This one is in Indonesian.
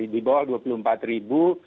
di bawah dua puluh empat ribu